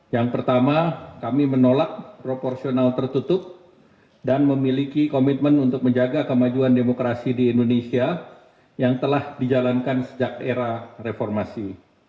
yang pertama kami menolak proporsional tertutup dan memiliki komitmen untuk menjaga kemajuan demokrasi di indonesia yang telah dijalankan sejak era reformasi